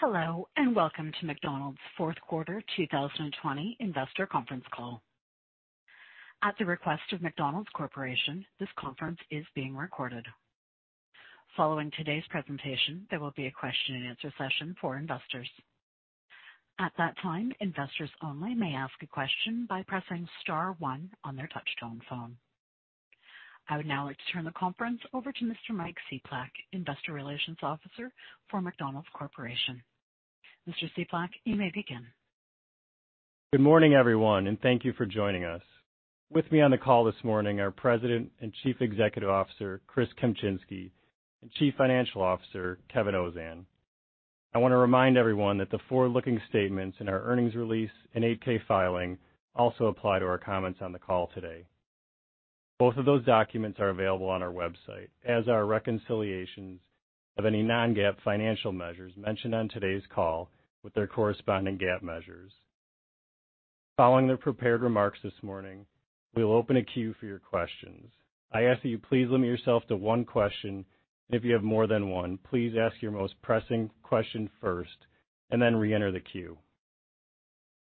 Hello, welcome to McDonald's fourth quarter 2020 investor conference call. At the request of McDonald's Corporation, this conference is being recorded. Following today's presentation, there will be a question and answer session for investors. At that time, investors only may ask a question by pressing star one on their touch-tone phone. I would now like to turn the conference over to Mr. Mike Cieplak, Investor Relations officer for McDonald's Corporation. Mr. Cieplak, you may begin. Good morning, everyone. thank you for joining us. With me on the call this morning are President and Chief Executive Officer Chris Kempczinski and Chief Financial Officer Kevin Ozan. I want to remind everyone that the forward-looking statements in our earnings release and 8-K filing also apply to our comments on the call today. Both of those documents are available on our website, as are reconciliations of any non-GAAP financial measures mentioned on today's call with their corresponding GAAP measures. Following the prepared remarks this morning, we will open a queue for your questions. I ask that you please limit yourself to one question, and if you have more than one, please ask your most pressing question first and then reenter the queue.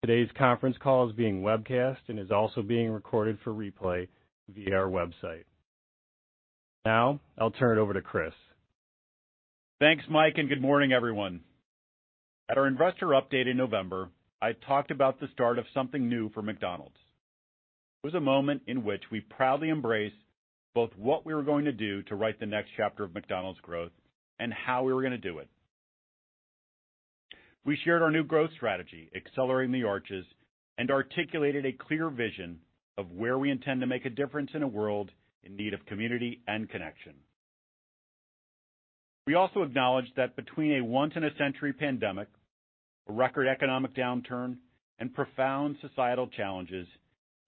Today's conference call is being webcast and is also being recorded for replay via our website. Now, I'll turn it over to Chris. Thanks, Mike. Good morning, everyone. At our investor update in November, I talked about the start of something new for McDonald's. It was a moment in which we proudly embraced both what we were going to do to write the next chapter of McDonald's growth and how we were going to do it. We shared our new growth strategy, Accelerating the Arches, and articulated a clear vision of where we intend to make a difference in a world in need of community and connection. We also acknowledged that between a once-in-a-century pandemic, a record economic downturn, and profound societal challenges,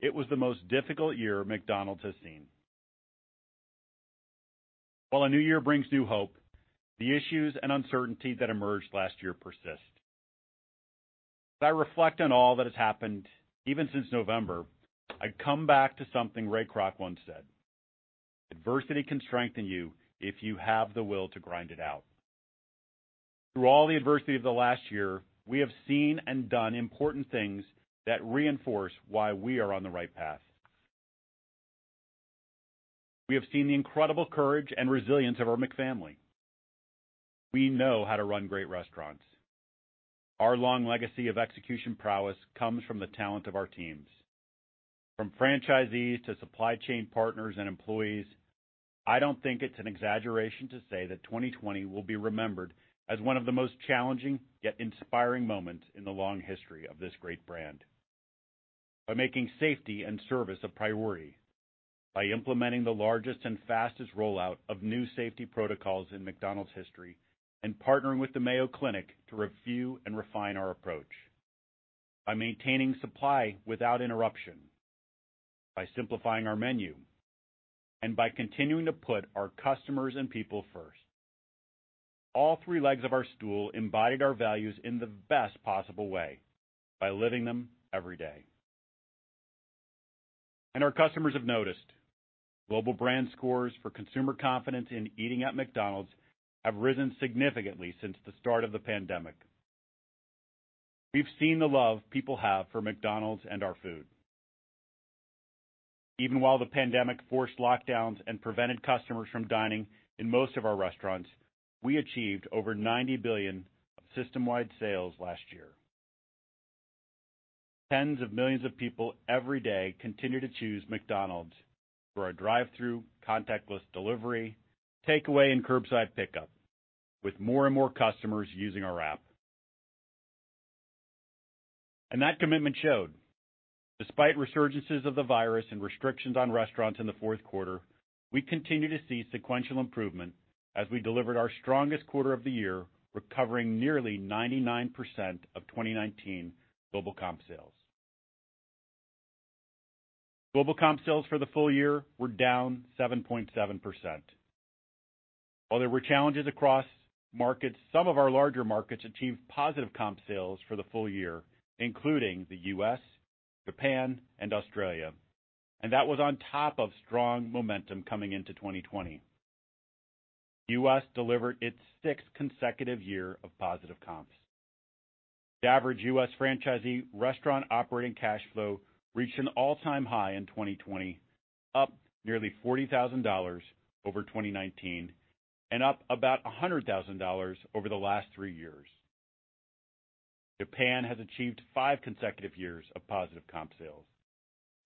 it was the most difficult year McDonald's has seen. While a new year brings new hope, the issues and uncertainty that emerged last year persist. As I reflect on all that has happened, even since November, I come back to something Ray Kroc once said: Adversity can strengthen you if you have the will to grind it out. Through all the adversity of the last year, we have seen and done important things that reinforce why we are on the right path. We have seen the incredible courage and resilience of our McFamily. We know how to run great restaurants. Our long legacy of execution prowess comes from the talent of our teams. From franchisees to supply chain partners and employees, I don't think it's an exaggeration to say that 2020 will be remembered as one of the most challenging yet inspiring moments in the long history of this great brand. By making safety and service a priority, by implementing the largest and fastest rollout of new safety protocols in McDonald's history and partnering with the Mayo Clinic to review and refine our approach, by maintaining supply without interruption, by simplifying our menu, and by continuing to put our customers and people first. All three legs of our stool embodied our values in the best possible way by living them every day. Our customers have noticed. Global Brand Scores for consumer confidence in eating at McDonald's have risen significantly since the start of the pandemic. We've seen the love people have for McDonald's and our food. Even while the pandemic forced lockdowns and prevented customers from dining in most of our restaurants, we achieved over $90 billion of systemwide sales last year. Tens of millions of people every day continue to choose McDonald's for our drive-thru, contactless delivery, takeaway, and curbside pickup, with more and more customers using our app. That commitment showed. Despite resurgences of the virus and restrictions on restaurants in the fourth quarter, we continue to see sequential improvement as we delivered our strongest quarter of the year, recovering nearly 99% of 2019 Global comp sales. Global comp sales for the full year were down 7.7%. While there were challenges across markets, some of our larger markets achieved positive comp sales for the full year, including the U.S., Japan, and Australia, and that was on top of strong momentum coming into 2020. U.S. delivered its sixth consecutive year of positive comps. The average U.S. franchisee restaurant operating cash flow reached an all-time high in 2020, up nearly $40,000 over 2019 and up about $100,000 over the last three years. Japan has achieved five consecutive years of positive comp sales,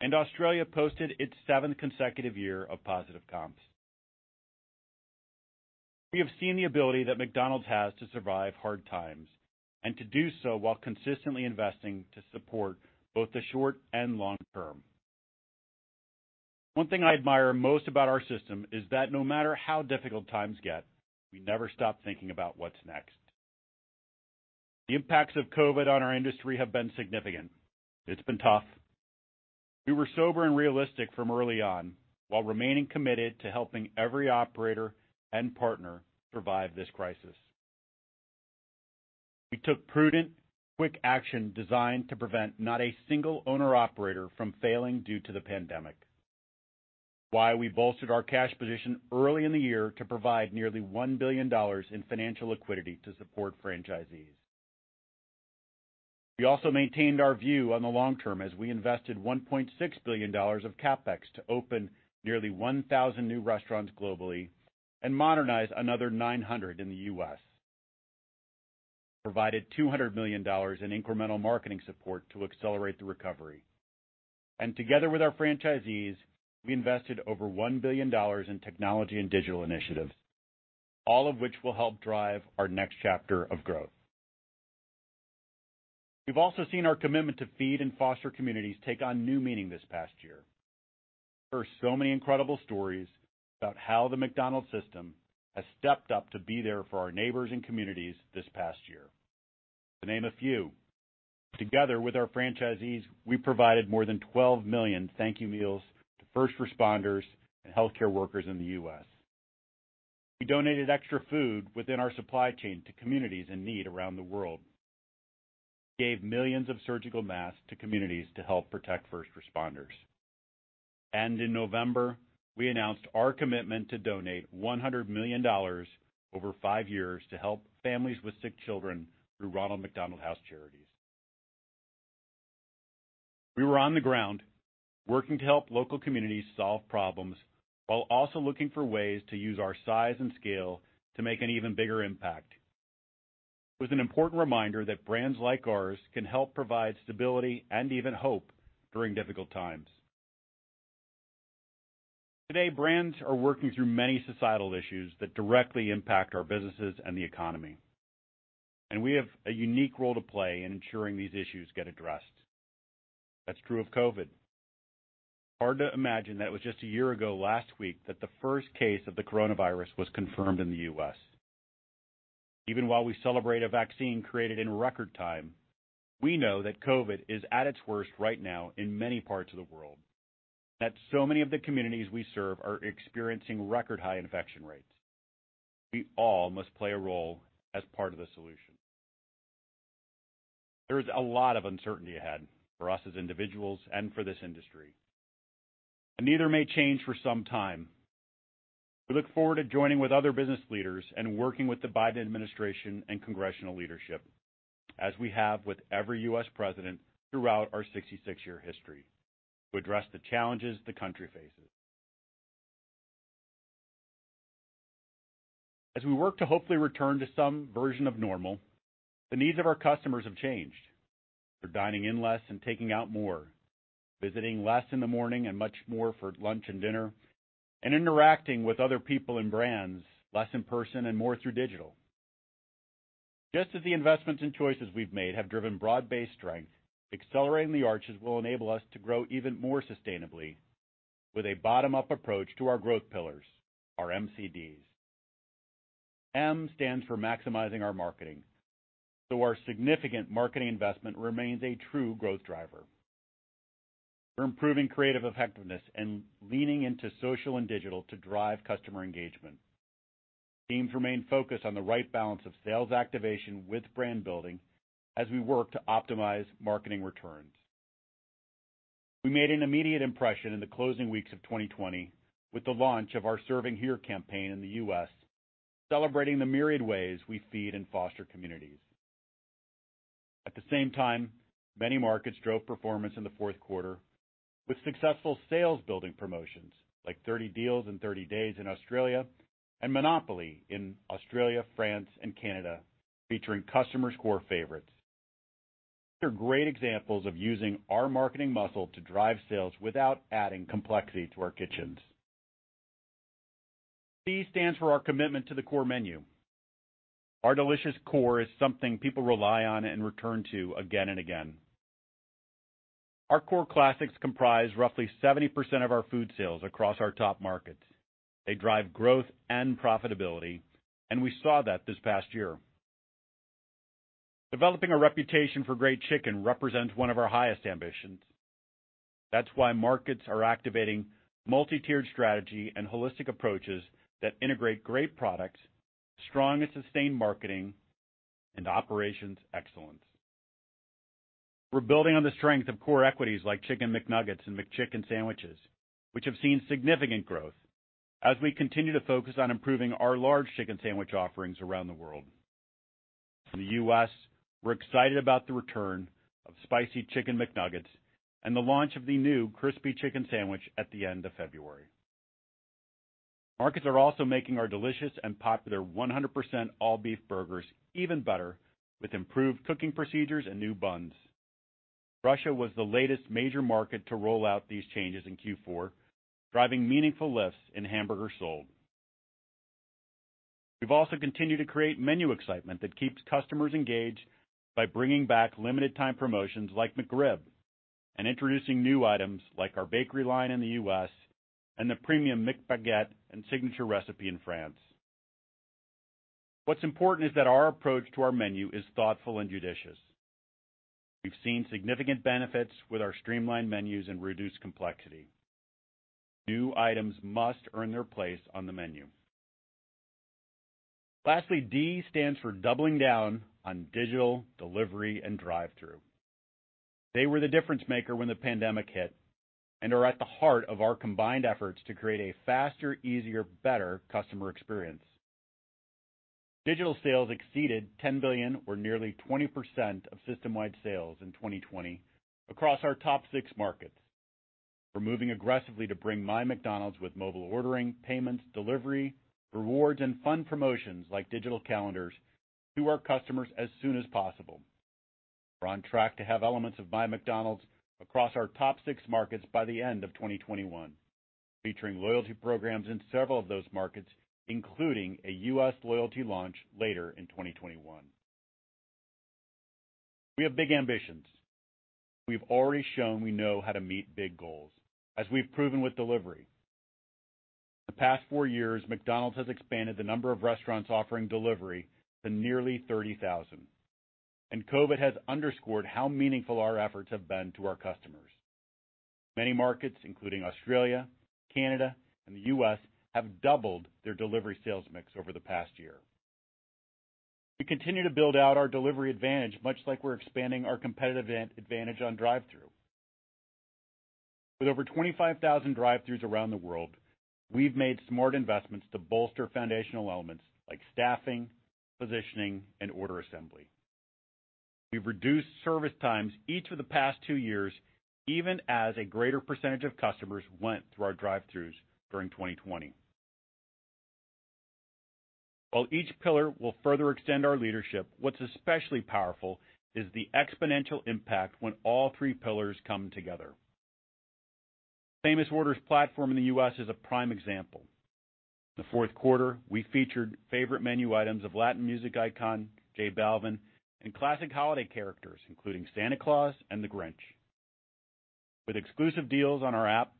and Australia posted its seventh consecutive year of positive comps. We have seen the ability that McDonald's has to survive hard times and to do so while consistently investing to support both the short-and-long term. One thing I admire most about our system is that no matter how difficult times get, we never stop thinking about what's next. The impacts of COVID on our industry have been significant. It's been tough. We were sober and realistic from early on while remaining committed to helping every operator and partner survive this crisis. We took prudent, quick action designed to prevent not a single owner-operator from failing due to the pandemic. We bolstered our cash position early in the year to provide nearly $1 billion in financial liquidity to support franchisees. We also maintained our view on the long term as we invested $1.6 billion of CapEx to open nearly 1,000 new restaurants globally and modernize another 900 in the U.S. We provided $200 million in incremental marketing support to accelerate the recovery. Together with our franchisees, we invested over $1 billion in technology and digital initiatives, all of which will help drive our next chapter of growth. We've also seen our commitment to feed and foster communities take on new meaning this past year. There are so many incredible stories about how the McDonald's system has stepped up to be there for our neighbors and communities this past year. To name a few, together with our franchisees, we provided more than 12 million Thank You Meals to first responders and healthcare workers in the U.S. We donated extra food within our supply chain to communities in need around the world. We gave millions of surgical masks to communities to help protect first responders. In November, we announced our commitment to donate $100 million over five years to help families with sick children through Ronald McDonald House Charities. We were on the ground working to help local communities solve problems while also looking for ways to use our size and scale to make an even bigger impact. It was an important reminder that brands like ours can help provide stability and even hope during difficult times. Today, brands are working through many societal issues that directly impact our businesses and the economy, and we have a unique role to play in ensuring these issues get addressed. That's true of COVID. Hard to imagine that it was just a year ago last week that the first case of the coronavirus was confirmed in the U.S. Even while we celebrate a vaccine created in record time, we know that COVID is at its worst right now in many parts of the world and that so many of the communities we serve are experiencing record-high infection rates. We all must play a role as part of the solution. There is a lot of uncertainty ahead for us as individuals and for this industry, and neither may change for some time. We look forward to joining with other business leaders and working with the Biden Administration and congressional leadership, as we have with every U.S. president throughout our 66-year history, to address the challenges the country faces. As we work to hopefully return to some version of normal, the needs of our customers have changed. They're dining in less and taking out more, visiting less in the morning and much more for lunch and dinner, and interacting with other people and brands, less in person and more through digital. Just as the investments and choices we've made have driven broad-based strength, Accelerating the Arches will enable us to grow even more sustainably with a bottom-up approach to our growth pillars, our MCDs. M stands for maximizing our marketing. Our significant marketing investment remains a true growth driver. We're improving creative effectiveness and leaning into social and digital to drive customer engagement. Teams remain focused on the right balance of sales activation with brand building as we work to optimize marketing returns. We made an immediate impression in the closing weeks of 2020 with the launch of our Serving Here Campaign in the U.S., celebrating the myriad ways we feed and foster communities. At the same time, many markets drove performance in the fourth quarter with successful sales-building promotions like 30 Days and 30 Deals in Australia and Monopoly in Australia, France, and Canada, featuring customers' core favorites. These are great examples of using our marketing muscle to drive sales without adding complexity to our kitchens. C stands for our commitment to the core menu. Our delicious core is something people rely on and return to again and again. Our core classics comprise roughly 70% of our food sales across our top markets. They drive growth and profitability, and we saw that this past year. Developing a reputation for great chicken represents one of our highest ambitions. That's why markets are activating multi-tiered strategies and holistic approaches that integrate great products, strong and sustained marketing, and operations excellence. We're building on the strength of core equities like Chicken McNuggets and McChicken Sandwiches, which have seen significant growth as we continue to focus on improving our large chicken sandwich offerings around the world. In the U.S., we're excited about the return of Spicy Chicken McNuggets and the launch of the new Crispy Chicken Sandwich at the end of February. Markets are also making our delicious and popular 100% all-beef burgers even better with improved cooking procedures and new buns. Russia was the latest major market to roll out these changes in Q4, driving meaningful lifts in hamburgers sold. We've also continued to create menu excitement that keeps customers engaged by bringing back limited-time promotions like McRib and introducing new items like our bakery line in the U.S. and the premium McBaguette and signature recipe in France. What's important is that our approach to our menu is thoughtful and judicious. We've seen significant benefits with our streamlined menus and reduced complexity. New items must earn their place on the menu. Lastly, D stands for doubling down on digital, delivery, and drive-thru. They were the difference maker when the pandemic hit and are at the heart of our combined efforts to create a faster, easier, better customer experience. Digital sales exceeded $10 billion or nearly 20% of system-wide sales in 2020 across our top six markets. We're moving aggressively to bring MyMcDonald's with mobile ordering, payments, delivery, rewards, and fun promotions like digital calendars to our customers as soon as possible. We're on track to have elements of MyMcDonald's across our top six markets by the end of 2021, featuring loyalty programs in several of those markets, including a U.S. loyalty launch later in 2021. We have big ambitions. We've already shown we know how to meet big goals, as we've proven with delivery. The past four years, McDonald's has expanded the number of restaurants offering delivery to nearly 30,000, and COVID has underscored how meaningful our efforts have been to our customers. Many markets, including Australia, Canada, and the U.S., have doubled their delivery sales mix over the past year. We continue to build out our delivery advantage much like we're expanding our competitive advantage on drive-thrus. With over 25,000 drive-thrus around the world, we've made smart investments to bolster foundational elements like staffing, positioning, and order assembly. We've reduced service times each of the past two years, even as a greater percentage of customers went through our drive-thrus during 2020. While each pillar will further extend our leadership, what's especially powerful is the exponential impact when all three pillars come together. Famous Orders Platform in the U.S. is a prime example. The fourth quarter, we featured favorite menu items of Latin music icon J Balvin and classic holiday characters, including Santa Claus and the Grinch. With exclusive deals on our app,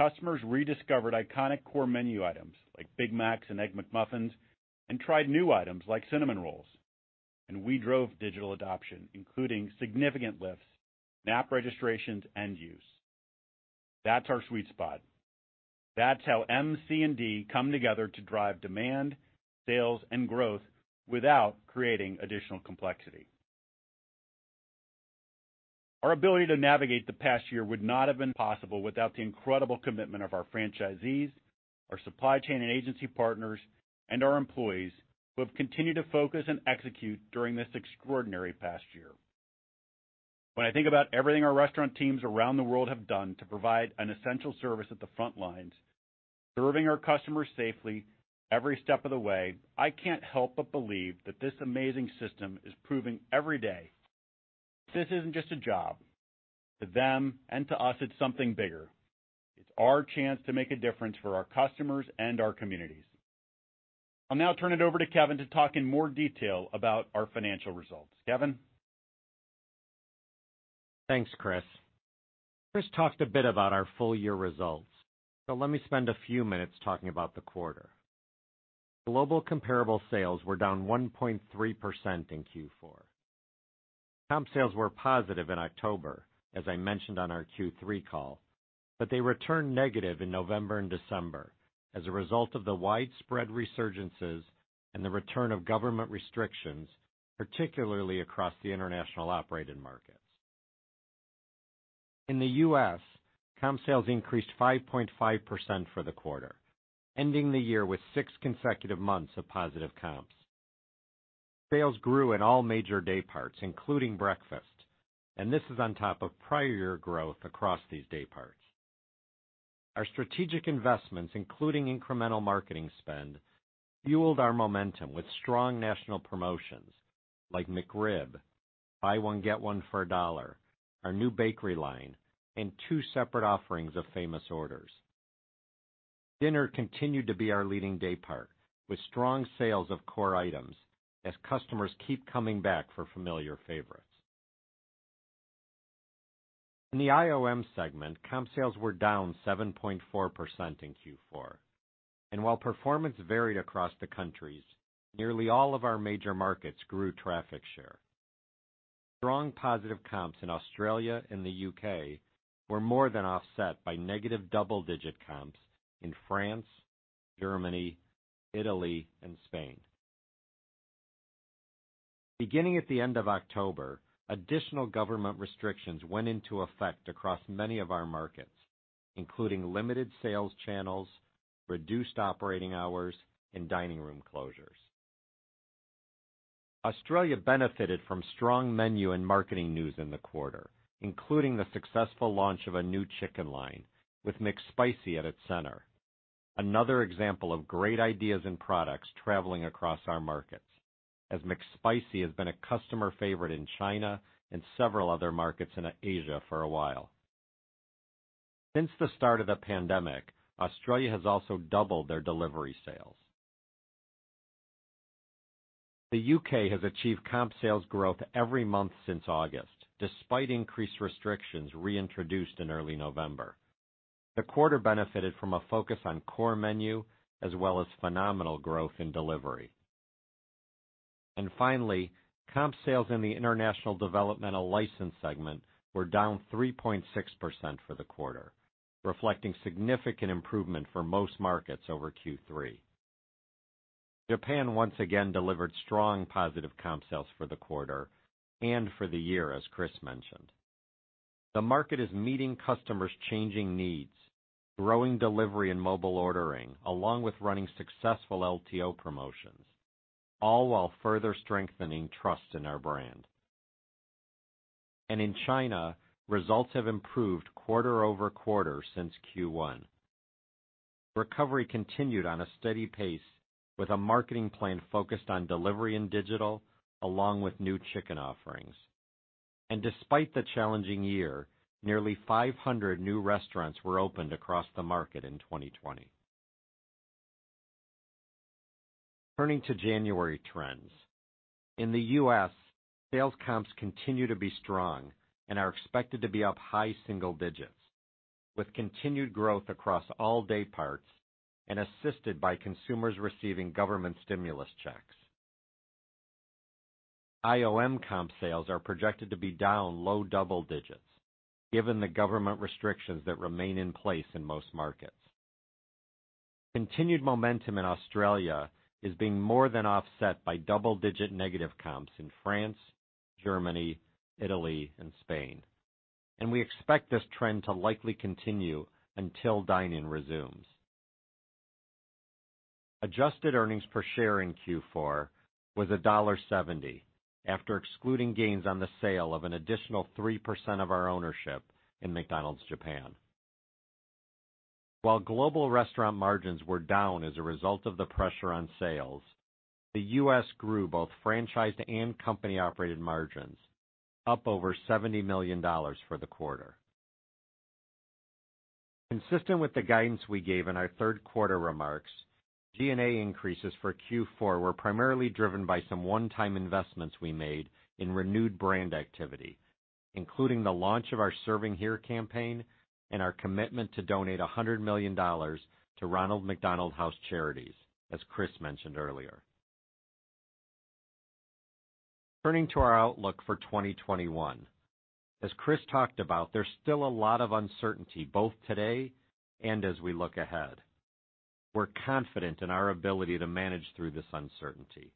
customers rediscovered iconic core menu items like Big Macs and Egg McMuffins and tried new items like Cinnamon Rolls. We drove digital adoption, including significant lifts in app registrations and use. That's our sweet spot. That's how M, C, and D come together to drive demand, sales, and growth without creating additional complexity. Our ability to navigate the past year would not have been possible without the incredible commitment of our franchisees, our supply chain and agency partners, and our employees who have continued to focus and execute during this extraordinary past year. When I think about everything our restaurant teams around the world have done to provide an essential service at the front lines, serving our customers safely every step of the way, I can't help but believe that this amazing system is proving every day this isn't just a job. To them and to us, it's something bigger. It's our chance to make a difference for our customers and our communities. I'll now turn it over to Kevin to talk in more detail about our financial results. Kevin? Thanks, Chris. Chris talked a bit about our full-year results. Let me spend a few minutes talking about the quarter. Global comparable sales were down 1.3% in Q4. Comp sales were positive in October, as I mentioned on our Q3 call, but they returned negative in November and December as a result of the widespread resurgences and the return of government restrictions, particularly across the international operated markets. In the U.S., comp sales increased 5.5% for the quarter, ending the year with six consecutive months of positive comps. Sales grew in all major dayparts, including breakfast. This is on top of prior growth across these dayparts. Our strategic investments, including incremental marketing spend, fueled our momentum with strong national promotions like McRib, buy one get one for a dollar, our new bakery line, and two separate offerings of Famous Orders. Dinner continued to be our leading daypart with strong sales of core items as customers keep coming back for familiar favorites. While performance varied across the countries, nearly all of our major markets grew traffic share in the IOM segment; comp sales were down 7.4% in Q4. Strong positive comps in Australia and the U.K. were more than offset by negative double-digit comps in France, Germany, Italy, and Spain. Beginning at the end of October, additional government restrictions went into effect across many of our markets, including limited sales channels, reduced operating hours, and dining room closures. Australia benefited from strong menu and marketing news in the quarter, including the successful launch of a new chicken line with McSpicy at its center. Another example of great ideas and products traveling across our markets, as McSpicy has been a customer favorite in China and several other markets in Asia for a while. Since the start of the pandemic, Australia has also doubled their delivery sales. The U.K. has achieved comp sales growth every month since August, despite increased restrictions reintroduced in early November. The quarter benefited from a focus on the core menu as well as phenomenal growth in delivery. Finally, comp sales in the international developmental license segment were down 3.6% for the quarter, reflecting significant improvement for most markets over Q3. Japan once again delivered strong positive comp sales for the quarter and for the year, as Chris mentioned. The market is meeting customers' changing needs, growing delivery and mobile ordering, along with running successful LTO promotions, all while further strengthening trust in our brand. In China, results have improved quarter-over-quarter since Q1. Recovery continued on a steady pace with a marketing plan focused on delivery and digital, along with new chicken offerings. Despite the challenging year, nearly 500 new restaurants were opened across the market in 2020. Turning to January trends. In the U.S., sales comps continue to be strong and are expected to be up high single digits, with continued growth across all dayparts and assisted by consumers receiving government stimulus checks. IOM comp sales are projected to be down low double digits, given the government restrictions that remain in place in most markets. Continued momentum in Australia is being more than offset by double-digit negative comps in France, Germany, Italy, and Spain. We expect this trend to likely continue until dine-in resumes. Adjusted earnings per share in Q4 was $1.70 after excluding gains on the sale of an additional 3% of our ownership in McDonald's Japan. While Global restaurant margins were down as a result of the pressure on sales, the U.S. grew both franchised and company-operated margins, up over $70 million for the quarter. Consistent with the guidance we gave in our third quarter remarks, G&A increases for Q4 were primarily driven by some one-time investments we made in renewed brand activity, including the launch of our Serving Here campaign and our commitment to donate $100 million to Ronald McDonald House Charities, as Chris mentioned earlier. Turning to our outlook for 2021. As Chris talked about, there's still a lot of uncertainty, both today and as we look ahead. We're confident in our ability to manage through this uncertainty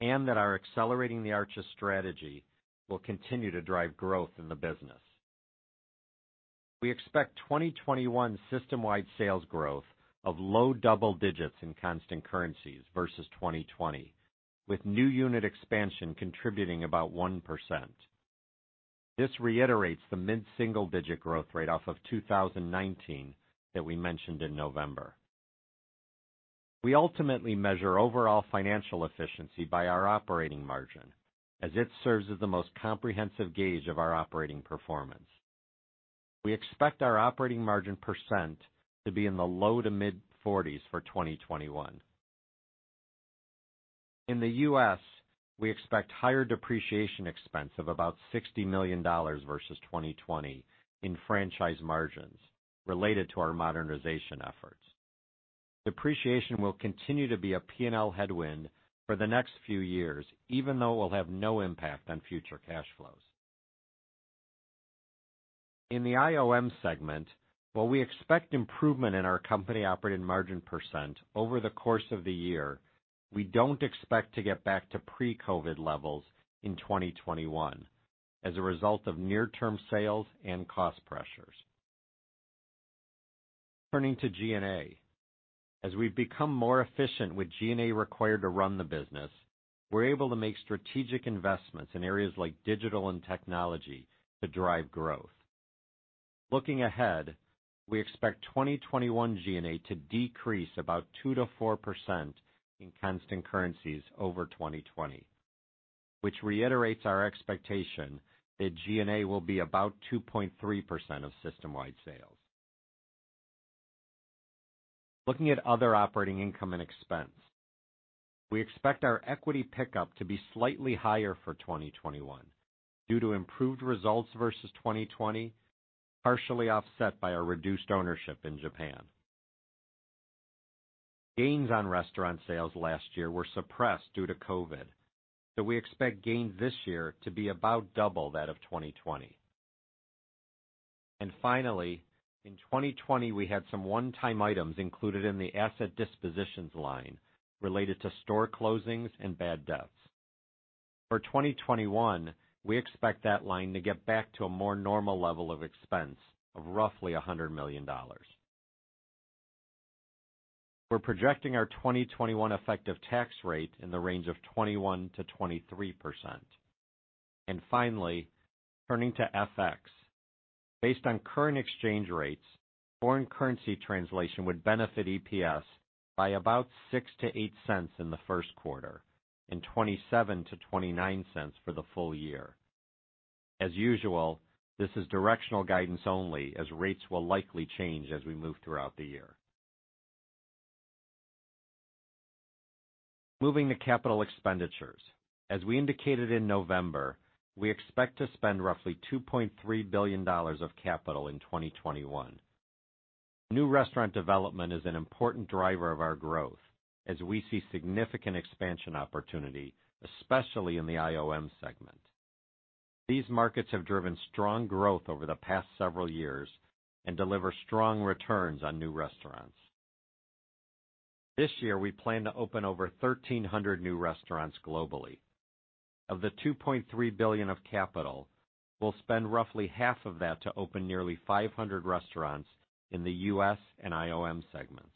and that our Accelerating the Arches strategy will continue to drive growth in the business. We expect 2021 system-wide sales growth of low double digits in constant currencies versus 2020, with new unit expansion contributing about 1%. This reiterates the mid-single-digit growth rate off of 2019 that we mentioned in November. We ultimately measure overall financial efficiency by our operating margin, as it serves as the most comprehensive gauge of our operating performance. We expect our operating margin percent to be in the low to mid-40s for 2021. In the U.S., we expect higher depreciation expense of about $60 million versus 2020 in franchise margins related to our modernization efforts. Depreciation will continue to be a P&L headwind for the next few years, even though it will have no impact on future cash flows. In the IOM segment, while we expect improvement in our company-operated margin percentage over the course of the year, we don't expect to get back to pre-COVID levels in 2021 as a result of near-term sales and cost pressures. Turning to G&A. As we've become more efficient with G&A required to run the business, we're able to make strategic investments in areas like digital and technology to drive growth. Looking ahead, we expect 2021 G&A to decrease about 2%-4% in constant currencies over 2020, which reiterates our expectation that G&A will be about 2.3% of systemwide sales. Looking at other operating income and expense. We expect our equity pickup to be slightly higher for 2021 due to improved results versus 2020, partially offset by our reduced ownership in Japan. Gains on restaurant sales last year were suppressed due to COVID. We expect gains this year to be about double that of 2020. Finally, in 2020, we had some one-time items included in the asset dispositions line related to store closings and bad debts. For 2021, we expect that line to get back to a more normal level of expense of roughly $100 million. We're projecting our 2021 effective tax rate in the range of 21%-23%. Finally, turning to FX. Based on current exchange rates, foreign currency translation would benefit EPS by about $0.06-$0.08 in the first quarter and $0.27-$0.29 for the full year. As usual, this is directional guidance only, as rates will likely change as we move throughout the year. Moving to capital expenditures. As we indicated in November, we expect to spend roughly $2.3 billion of capital in 2021. New restaurant development is an important driver of our growth as we see significant expansion opportunity, especially in the IOM segment. These markets have driven strong growth over the past several years and deliver strong returns on new restaurants. This year, we plan to open over 1,300 new restaurants globally. Of the $2.3 billion of capital, we'll spend roughly half of that to open nearly 500 restaurants in the U.S. and IOM segments.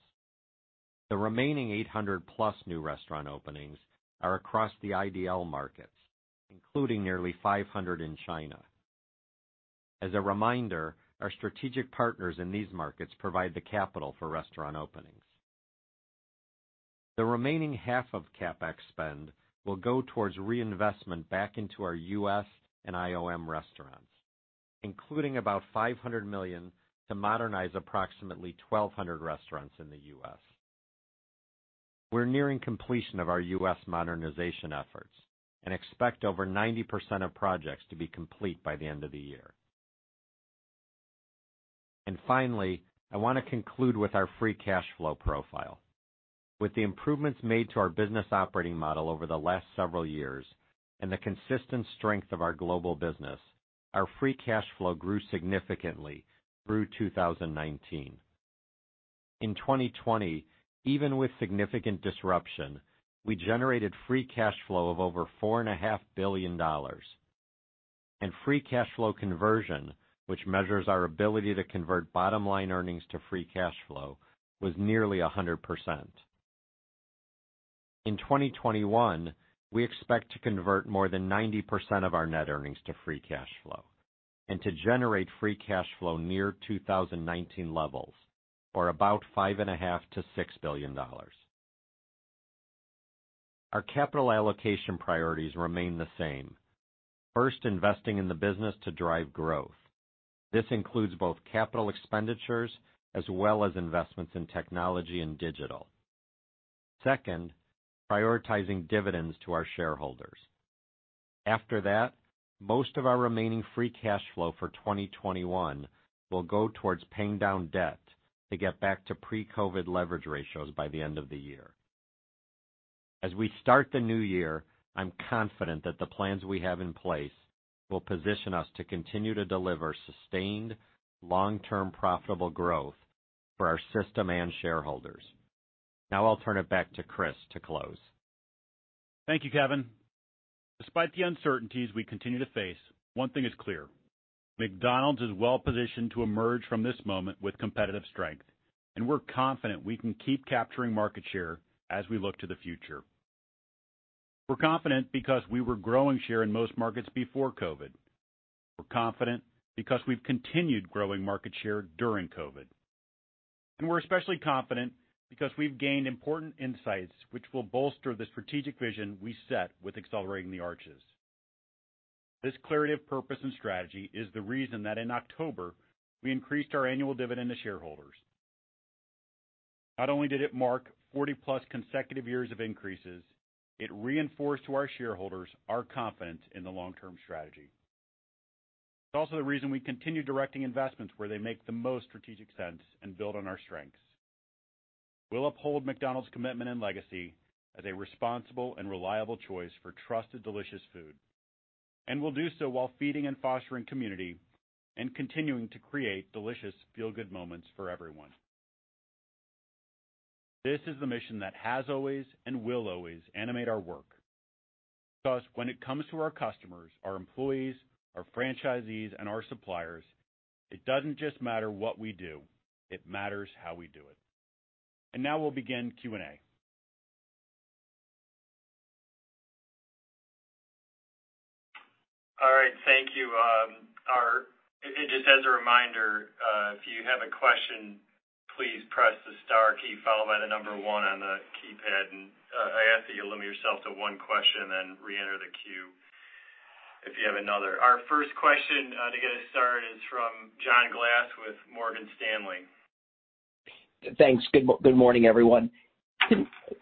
The remaining 800+ new restaurant openings are across the IDL markets, including nearly 500 in China. As a reminder, our strategic partners in these markets provide the capital for restaurant openings. The remaining half of CapEx spend will go towards reinvestment back into our U.S. and IOM restaurants, including about $500 million to modernize approximately 1,200 restaurants in the U.S. We're nearing completion of our U.S. modernization efforts and expect over 90% of projects to be complete by the end of the year. Finally, I want to conclude with our free cash flow profile. With the improvements made to our business operating model over the last several years and the consistent strength of our Global business, our free cash flow grew significantly through 2019. In 2020, even with significant disruption, we generated free cash flow of over $4.5 billion. Free cash flow conversion, which measures our ability to convert bottom-line earnings to free cash flow, was nearly 100%. In 2021, we expect to convert more than 90% of our net earnings to free cash flow and to generate free cash flow near 2019 levels or about $5.5 billion-$6 billion. Our capital allocation priorities remain the same. First, investing in the business to drive growth. This includes both capital expenditures and investments in technology and digital. Second, prioritizing dividends to our shareholders. After that, most of our remaining free cash flow for 2021 will go towards paying down debt to get back to pre-COVID leverage ratios by the end of the year. As we start the new year, I'm confident that the plans we have in place will position us to continue to deliver sustained long-term profitable growth for our system and shareholders. Now I'll turn it back to Chris to close. Thank you, Kevin. Despite the uncertainties we continue to face, one thing is clear: McDonald's is well positioned to emerge from this moment with competitive strength, and we're confident we can keep capturing market share as we look to the future. We're confident because we were growing share in most markets before COVID-19. We're confident because we've continued growing market share during COVID. We're especially confident because we've gained important insights, which will bolster the strategic vision we set with Accelerating the Arches. This clarity of purpose and strategy is the reason that in October, we increased our annual dividend to shareholders. Not only did it mark 40+ consecutive years of increases, it reinforced to our shareholders our confidence in the long-term strategy. It's also the reason we continue directing investments where they make the most strategic sense and build on our strengths. We'll uphold McDonald's commitment and legacy as a responsible and reliable choice for trusted, delicious food; we'll do so while feeding and fostering community and continuing to create delicious feel-good moments for everyone. This is the mission that has always and will always animate our work. When it comes to our customers, our employees, our franchisees, and our suppliers, it doesn't just matter what we do; it matters how we do it. Now we'll begin Q&A. All right, thank you. Just as a reminder, if you have a question, please press the star key followed by the number one on the keypad. I ask that you limit yourself to one question, then reenter the queue if you have another. Our first question to get us started is from John Glass with Morgan Stanley. Thanks. Good morning, everyone.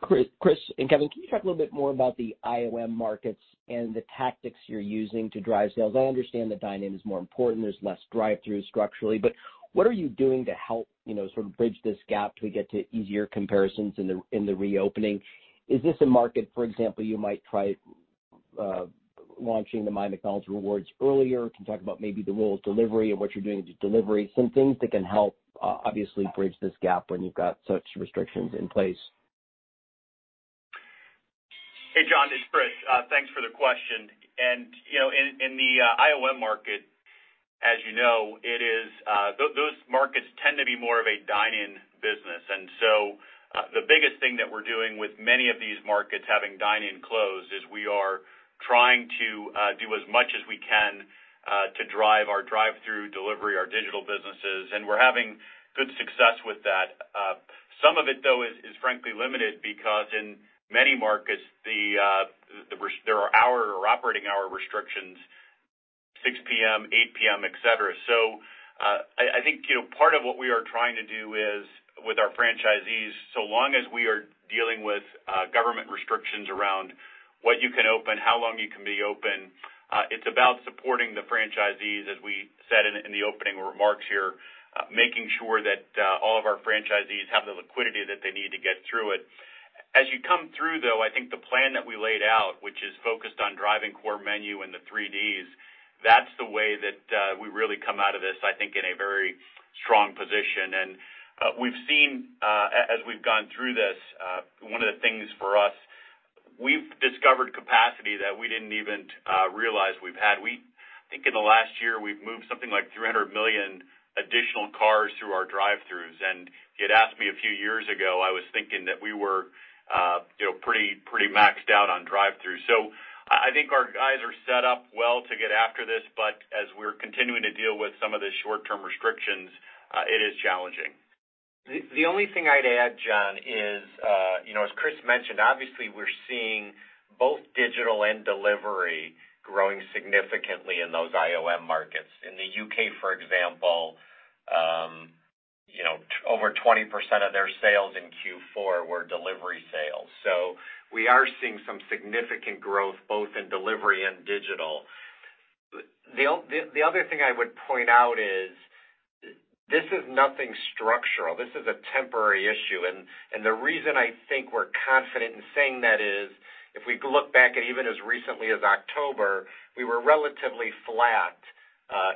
Chris and Kevin, can you talk a little bit more about the IOM markets and the tactics you're using to drive sales? I understand dine-in is more important. There's less drive-thru structurally. What are you doing to help bridge this gap till we get to easier comparisons in the reopening? Is this a market, for example, you might try launching the MyMcDonald's Rewards earlier. Can you talk about maybe the role of delivery and what you're doing with delivery? Some things that can help, obviously, bridge this gap when you've got such restrictions in place. Hey, John, it's Chris. Thanks for the question. In the IOM market, as you know, those markets tend to be more of a dine-in business. The biggest thing that we're doing with many of these markets having dine-in closed is we are trying to do as much as we can to drive our drive-thru, delivery, and digital businesses, and we're having good success with that. Some of it, though, is frankly limited because in many markets, there are operating hour restrictions, 6:00 P.M., 8:00 P.M., et cetera. I think part of what we are trying to do is with our franchisees, so long as we are dealing with government restrictions around What you can open and how long you can be open. It's about supporting the franchisees, as we said in the opening remarks here, making sure that all of our franchisees have the liquidity that they need to get through it. You come through, though. I think the plan that we laid out, which is focused on driving the core menu and the 3 D's, is the way that we really come out of this, I think, in a very strong position. We've seen, as we've gone through this, one of the things for us, we've discovered capacity that we didn't even realize we've had. I think in the last year, we've moved something like 300 million additional cars through our drive-thrus. If you had asked me a few years ago, I was thinking that we were pretty maxed out on drive-thru. I think our guys are set up well to get after this, but as we're continuing to deal with some of the short-term restrictions, it is challenging. The only thing I'd add, John, is that, as Chris mentioned, obviously we're seeing both digital and delivery growing significantly in those IOM markets. In the U.K., for example, over 20% of their sales in Q4 were delivery sales. We are seeing some significant growth both in delivery and digital. The other thing I would point out is this is nothing structural. This is a temporary issue, and the reason I think we're confident in saying that is if we look back at even as recently as October, we were relatively flat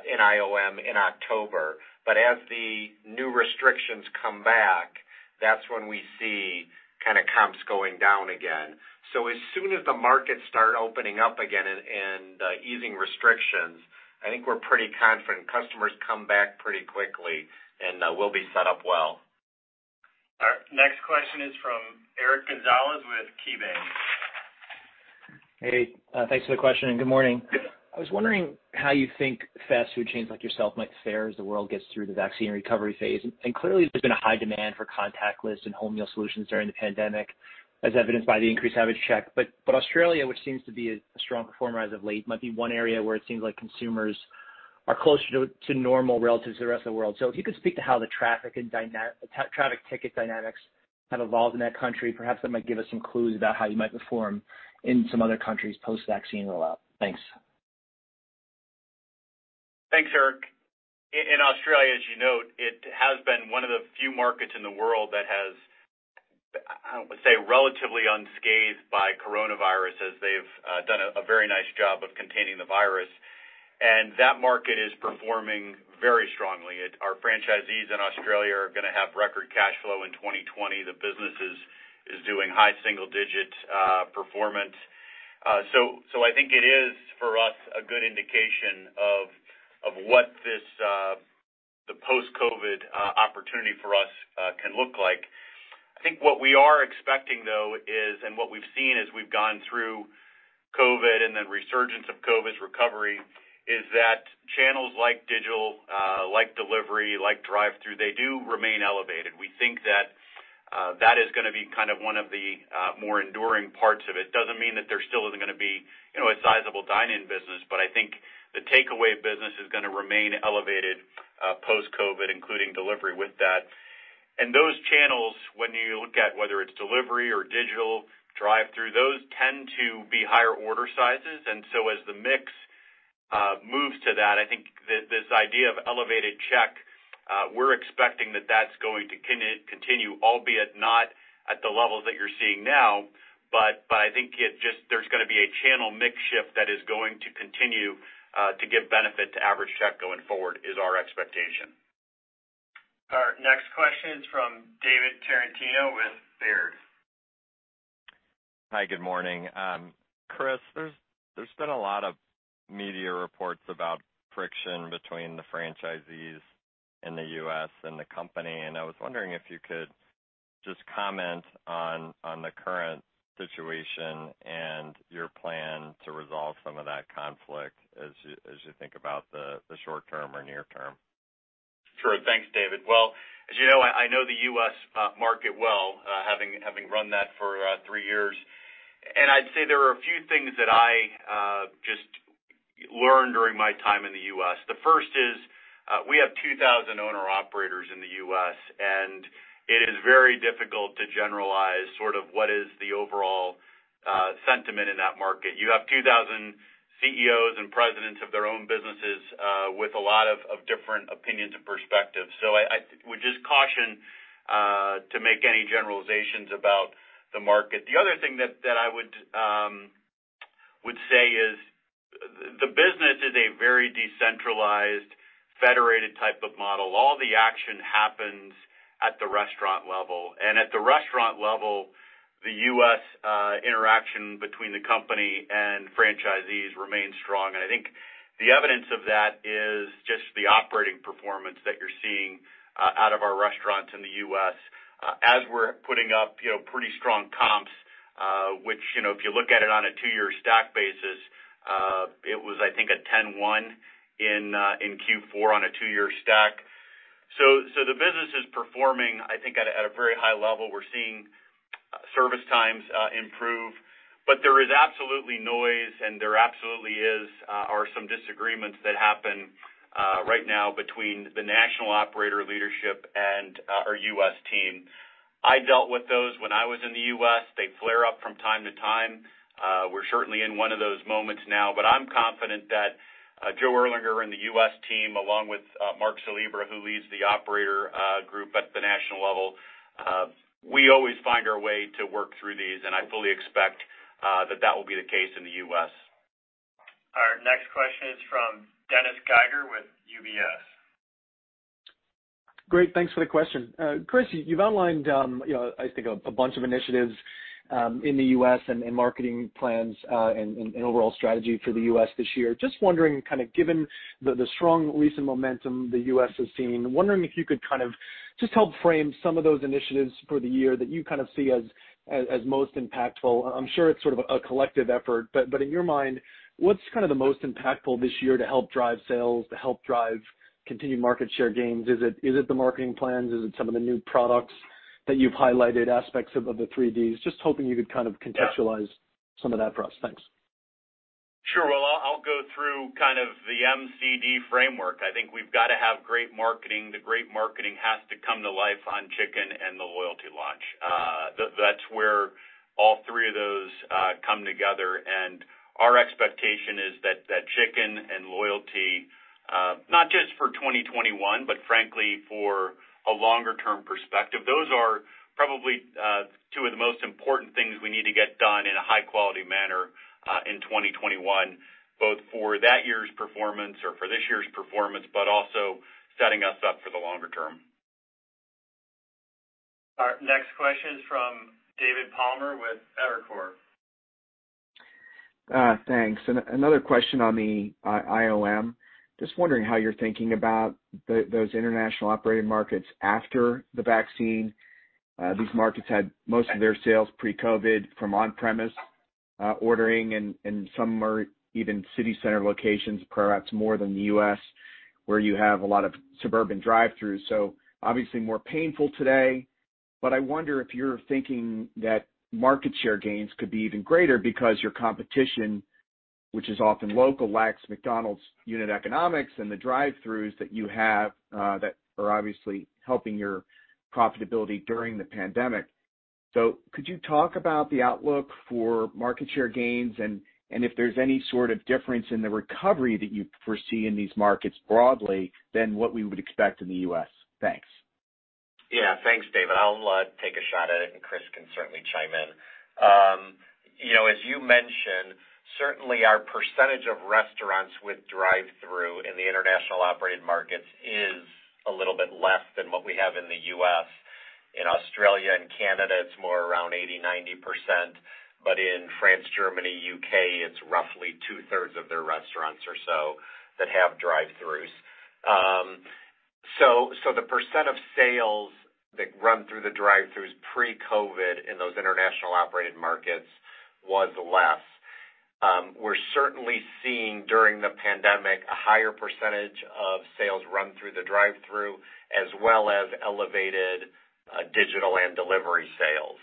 in IOM in October. As the new restrictions come back, that's when we see comps going down again. As soon as the markets start opening up again and easing restrictions, I think we're pretty confident customers come back pretty quickly, and we'll be set up well. Our next question is from Eric Gonzalez with KeyBanc. Hey, thanks for the question, and good morning. I was wondering how you think fast food chains like yourself might fare as the world gets through the vaccine recovery phase. Clearly, there's been a high demand for contactless and home meal solutions during the pandemic, as evidenced by the increased average check. Australia, which seems to be a strong performer as of late, might be one area where it seems like consumers are closer to normal relative to the rest of the world. If you could speak to how the traffic/ticket dynamics have evolved in that country, perhaps that might give us some clues about how you might perform in some other countries post-vaccine rollout. Thanks. Thanks, Eric. In Australia, as you note, it has been one of the few markets in the world that has, I would say, relatively unscathed by coronavirus, as they've done a very nice job of containing the virus, and that market is performing very strongly. Our franchisees in Australia are going to have record cash flow in 2020. The business is doing high single-digit performance. I think it is, for us, a good indication of what the post-COVID opportunity for us can look like. I think what we are expecting, though, and what we've seen as we've gone through COVID and the resurgence of COVID's recovery is that channels like digital, like delivery, like drive-Thru, they do remain elevated. We think that that is going to be one of the more enduring parts of it. Doesn't mean that there still isn't going to be a sizable dine-in business, but I think the takeaway business is going to remain elevated post-COVID, including delivery with that. Those channels, when you look at whether it's delivery or digital Drive Thru, those tend to be higher order sizes. As the mix moves to that, I think this idea of elevated check—we're expecting that that's going to continue, albeit not at the levels that you're seeing now. I think there's going to be a channel mix shift that is going to continue to give benefit to average check going forward; that is our expectation. Our next question is from David Tarantino with Baird. Hi, good morning. Chris, there's been a lot of media reports about friction between the franchisees in the U.S. and the company, and I was wondering if you could just comment on the current situation and your plan to resolve some of that conflict as you think about the short term or near term. Thanks, David. As you know, I know the U.S. market well, having run that for three years, and I'd say there are a few things that I just learned during my time in the U.S. The first is we have 2,000 owner-operators in the U.S., and it is very difficult to generalize what is the overall sentiment in that market is. You have 2,000 CEOs and presidents of their own businesses with a lot of different opinions and perspectives. I would just caution to make any generalizations about the market. The other thing that I would say is the business is a very decentralized, federated type of model. All the action happens at the restaurant level, and at the restaurant level, the U.S. interaction between the company and franchisees remains strong. I think the evidence of that is just the operating performance that you're seeing out of our restaurants in the U.S. as we're putting up pretty strong comps, which, if you look at it on a two-year stack basis, was, I think, a 10.1% in Q4 on a two-year stack. The business is performing, I think, at a very high level. We're seeing service times improve. There is absolutely noise, and there absolutely are some disagreements that happen right now between the national operator leadership and our U.S. team. I dealt with those when I was in the U.S. They flare up from time to time. We're certainly in one of those moments now, but I'm confident that Joe Erlinger and the U.S. team, along with Mark Salebra, who leads the operator group at the national level, we always find our way to work through these, and I fully expect that that will be the case in the U.S. Our next question is from Dennis Geiger with UBS. Great. Thanks for the question. Chris, you've outlined, I think, a bunch of initiatives in the U.S. and marketing plans and overall strategy for the U.S. this year. Just wondering, given the strong recent momentum the U.S. has seen, if you could just help frame some of those initiatives for the year that you see as most impactful. I'm sure it's sort of a collective effort, but in your mind, what's the most impactful this year to help drive sales, to help drive continued market share gains? Is it the marketing plans? Is it some of the new products that you've highlighted, aspects of the 3Ds? Just hoping you could contextualize some of that for us. Thanks. Sure. Well, I'll go through the MCD framework. I think we've got to have great marketing. The great marketing has to come to life on chicken and the loyalty launch. That's where all three of those come together. Our expectation is that chicken and loyalty, not just for 2021, but frankly, for a longer-term perspective, are probably two of the most important things we need to get done in a high-quality manner in 2021, both for that year's performance or for this year's performance but also setting us up for the longer term. Our next question is from David Palmer with Evercore. Thanks. Another question on the IOM. Just wondering how you're thinking about those international operated markets after the vaccine. These markets had most of their sales pre-COVID from on-premise ordering, and some are even city center locations, perhaps more than in the U.S., where you have a lot of suburban drive-thrus. Obviously more painful today, but I wonder if you're thinking that market share gains could be even greater because your competition, which is often local, lacks McDonald's unit economics and the drive-thrus that you have that are obviously helping your profitability during the pandemic. Could you talk about the outlook for market share gains and if there's any sort of difference in the recovery that you foresee in these markets broadly than what we would expect in the U.S.? Thanks. Thanks, David. I'll take a shot at it. Chris can certainly chime in. As you mentioned, certainly our percentage of restaurants with drive-thrus in the international operated markets is a little bit less than what we have in the U.S. In Australia and Canada, it's more around 80%-90%. In France, Germany, U.K., it's roughly two-thirds of their restaurants or so that have drive-thrus. The percentage of sales that ran through the drive-thrus pre-COVID in those international operated markets was less. We're certainly seeing, during the pandemic, a higher percentage of sales run through the drive-thru, as well as elevated digital and delivery sales.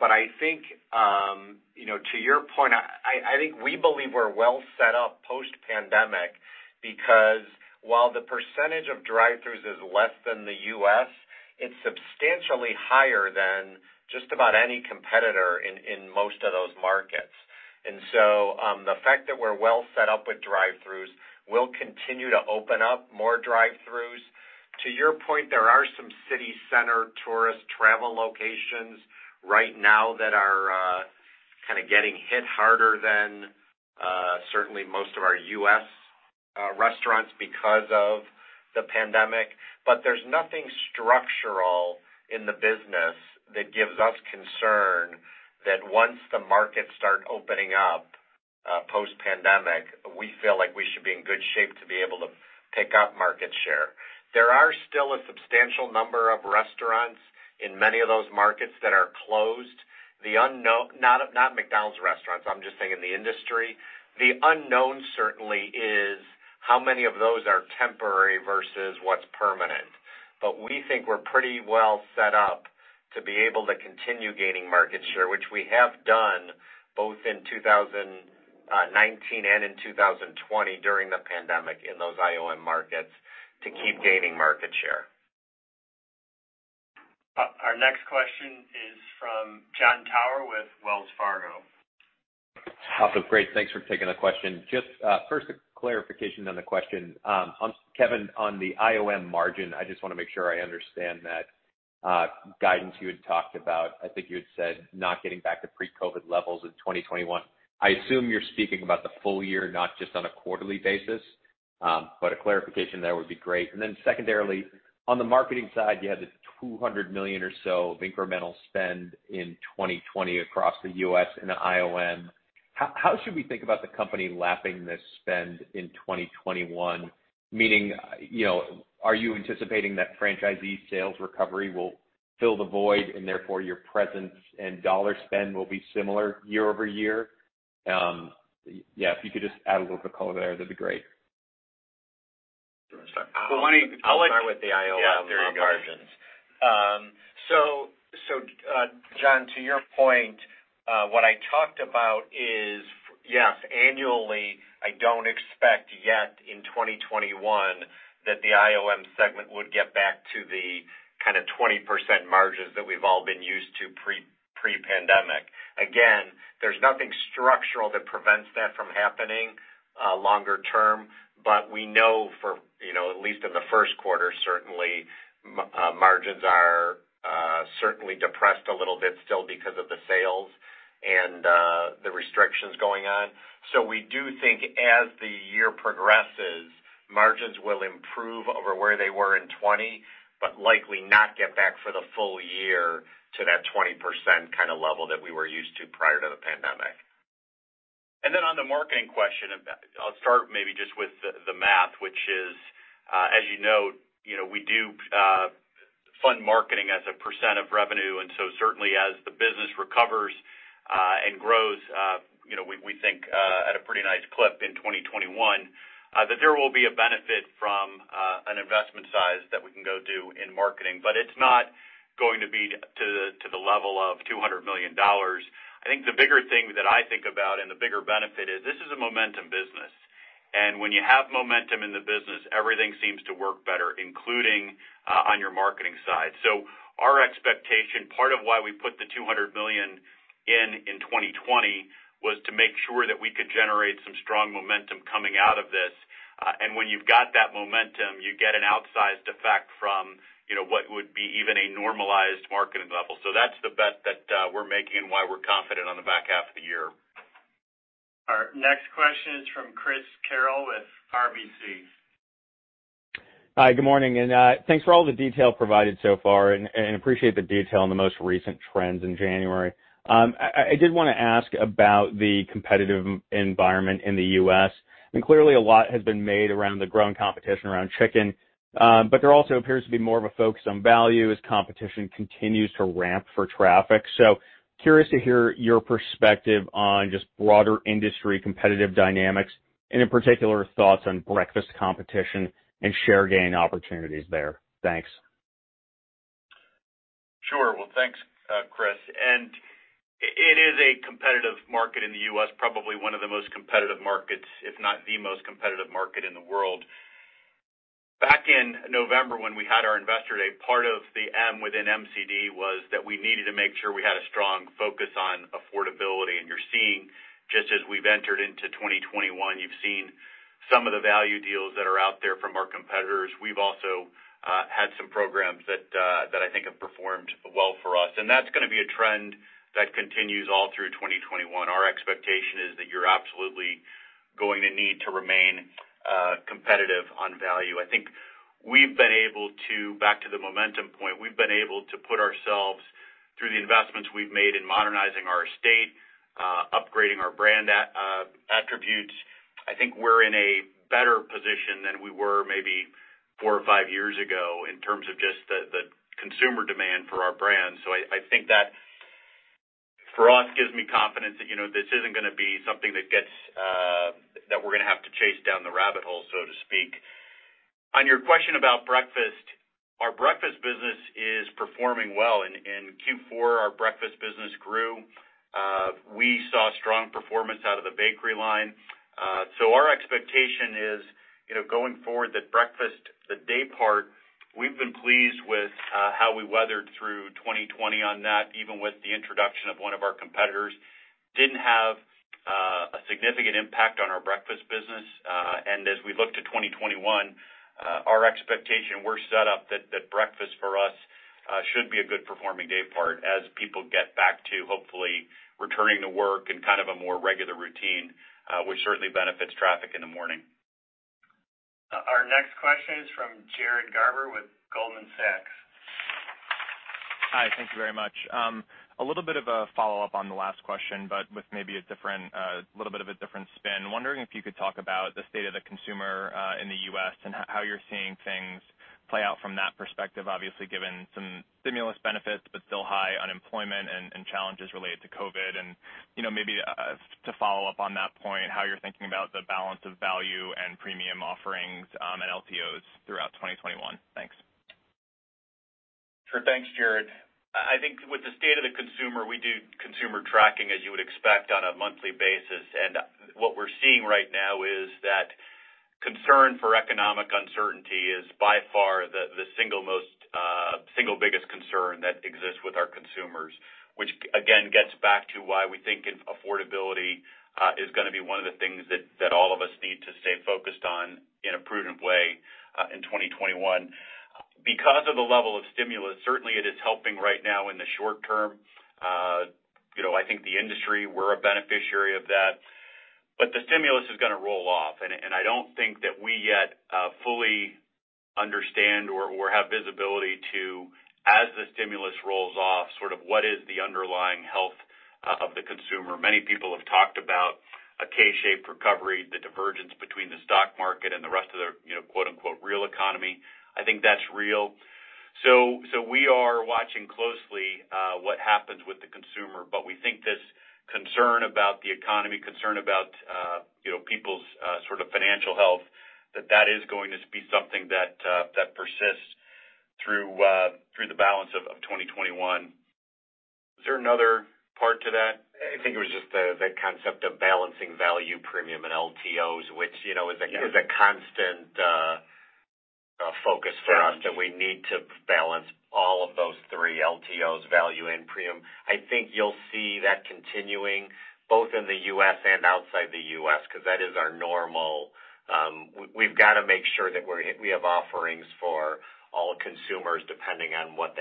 I think, to your point, I think we believe we're well set up post-pandemic because while the percentage of drive-thrus is less than the U.S., it's substantially higher than just about any competitor in most of those markets. The fact that we're well set up with drive-thrus means we'll continue to open up more drive-thrus. To your point, there are some city center tourist travel locations right now that are getting hit harder than certainly most of our U.S. restaurants because of the pandemic. There's nothing structural in the business that gives us concern that, once the markets start opening up post-pandemic, we feel like we should be in good shape to be able to pick up market share. There are still a substantial number of restaurants in many of those markets that are closed. Not McDonald's restaurants; I'm just saying in the industry. The unknown certainly is how many of those are temporary versus what's permanent. We think we're pretty well set up to be able to continue gaining market share, which we have done both in 2019 and in 2020 during the pandemic in those IOM markets to keep gaining market share. Our next question is from Jon Tower with Wells Fargo. Awesome, great, thanks for taking the question. Just first, a clarification on the question. Kevin, on the IOM margin, I just want to make sure I understand that guidance you had talked about. I think you had said not getting back to pre-COVID levels in 2021. I assume you're speaking about the full year, not just on a quarterly basis, but a clarification there would be great. Then secondarily, on the marketing side, you had the $200 million or so of incremental spend in 2020 across the U.S. and the IOM. How should we think about the company lapping this spend in 2021? Meaning, are you anticipating that franchisee sales recovery will fill the void, and therefore your presence and dollar spend will be similar year-over-year? Yeah, if you could just add a little bit of color there, that'd be great. Well, let me start with the IOM margins. Jon, to your point. What I talked about is, yes, annually, I don't expect yet in 2021 that the IOM segment will get back to the 20% margins that we've all been used to pre-pandemic. There's nothing structural that prevents that from happening longer term, but we know for at least in the first quarter, certainly, margins are certainly depressed a little bit still because of the sales and the restrictions going on. We do think as the year progresses, margins will improve over where they were in 2020, but likely not get back for the full year to that 20% level that we were used to prior to the pandemic. On the marketing question, I'll start maybe just with the math, which is, as you note, we do fund marketing as a percentage of revenue; certainly as the business recovers and grows, we think at a pretty nice clip in 2021, that there will be a benefit from an investment size that we can go do in marketing. It's not going to be to the level of $200 million. I think the bigger thing that I think about and the bigger benefit is that this is a momentum business. When you have momentum in the business, everything seems to work better, including on your marketing side. Our expectation, part of why we put the $200 million in in 2020, was to make sure that we could generate some strong momentum coming out of this. When you've got that momentum, you get an outsized effect from what would be even a normalized marketing level. That's the bet that we're making and why we're confident in the back half of the year. Our next question is from Chris Carril with RBC. Hi, good morning, and thanks for all the detail provided so far, and I appreciate the detail on the most recent trends in January. I did want to ask about the competitive environment in the U.S., and clearly a lot has been made around the growing competition around chicken. There also appears to be more of a focus on value as competition continues to ramp for traffic. Curious to hear your perspective on just broader industry competitive dynamics and, in particular, thoughts on breakfast competition and share gain opportunities there. Thanks. Sure. Well, thanks, Chris. It is a competitive market in the U.S., probably one of the most competitive markets, if not the most competitive market in the world. Back in November when we had our Investor Day, part of the M within MCD was that we needed to make sure we had a strong focus on affordability. You're seeing, just as we've entered into 2021, you've seen some of the value deals that are out there from our competitors. We've also had some programs that I think have performed well for us. That's going to be a trend that continues all through 2021. Our expectation is that you're absolutely going to need to remain competitive on value. I think we've been able to, back to the momentum point, we've been able to put ourselves through the investments we've made in modernizing our estate and upgrading our brand attributes. I think we're in a better position than we were maybe four or five years ago in terms of just the consumer demand for our brand. I think that for us, it gives me confidence that this isn't going to be something that we're going to have to chase down the rabbit hole, so to speak. On your question about breakfast, our breakfast business is performing well. In Q4, our breakfast business grew. We saw strong performance out of the bakery line. Our expectation is, going forward, that breakfast, the daypart, we've been pleased with how we weathered through 2020 on that, even with the introduction of one of our competitors. It didn't have a significant impact on our breakfast business. As we look to 2021, our expectation is that we're set up so that breakfast for us should be a good-performing daypart as people get back to hopefully returning to work and a more regular routine, which certainly benefits traffic in the morning. Our next question is from Jared Garber with Goldman Sachs. Hi. Thank you very much. A little bit of a follow-up on the last question, but with maybe a little bit of a different spin. Wondering if you could talk about the state of the consumer in the U.S. and how you're seeing things play out from that perspective, obviously, given some stimulus benefits, but still high unemployment and challenges related to COVID. Maybe to follow up on that point, how are you thinking about the balance of value and premium offerings at LTOs throughout 2021? Thanks. Sure. Thanks, Jared. I think with the state of the consumer, we do consumer tracking, as you would expect, on a monthly basis. What we're seeing right now is that concern for economic uncertainty is by far the single biggest concern that exists with our consumers, which, again, gets back to why we think affordability is going to be one of the things that all of us need to stay focused on in a prudent way in 2021. Because of the level of stimulus, certainly it is helping right now in the short term. I think the industry, we're a beneficiary of that. The stimulus is going to roll off, and I don't think that we yet fully understand or have visibility to, as the stimulus rolls off, what is the underlying health of the consumer is. Many people have talked about a K-shaped recovery, the divergence between the stock market and the rest of the real economy. I think that's real. We are watching closely what happens with the consumer, but we think this concern about the economy, a concern about people's financial health, is going to be something that persists. Through the balance of 2021. Was there another part to that? I think it was just the concept of balancing value, premium, and LTOs, which is a constant focus for us, that we need to balance all of those three LTOs, value, and premium. I think you'll see that continuing both in the U.S. and outside the U.S. because that is our normal. We've got to make sure that we have offerings for all consumers, depending on what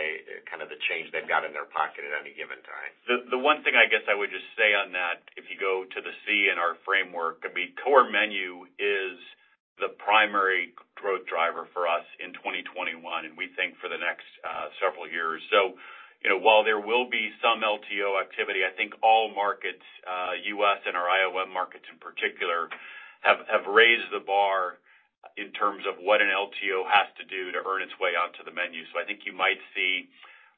kind of change they've got in their pocket at any given time. The one thing I guess I would just say on that, if you go to the C in our framework, I mean, core menu is the primary growth driver for us in 2021, and we think for the next several years. While there will be some LTO activity, I think all markets, the U.S. and our IOM markets in particular, have raised the bar in terms of what an LTO has to do to earn its way onto the menu. I think you might see,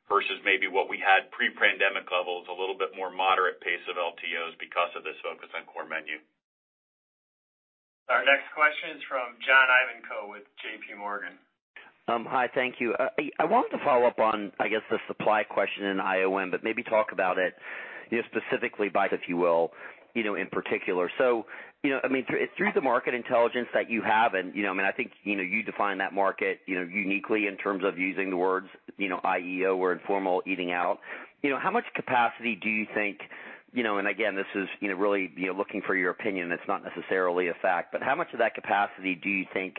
versus maybe what we had at pre-pandemic levels, a little bit more moderate pace of LTOs because of this focus on core menu. Our next question is from John Ivankoe with JPMorgan. Hi, thank you. I wanted to follow up on, I guess, the supply question in IOM, but maybe talk about it, specifically about it, if you will, in particular. Through the market intelligence that you have, and I think you define that market uniquely in terms of using the words IEO or informal eating out. How much capacity do you think, and again, this is really looking for your opinion; it's not necessarily a fact, but how much of that capacity do you think